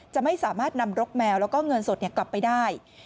จะไม่สามารถนำรกแมวแล้วก็เงินสดกลับไปได้